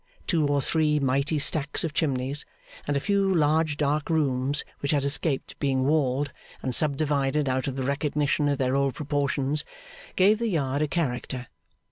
Two or three mighty stacks of chimneys, and a few large dark rooms which had escaped being walled and subdivided out of the recognition of their old proportions, gave the Yard a character.